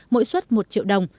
mỗi suất một triệu đồng